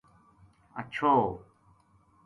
ہچھو